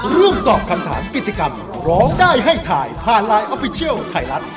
ร่วมตอบคำถามกิจกรรมร้องได้ให้ถ่ายผ่านไลน์ออฟฟิเชียลไทยรัฐ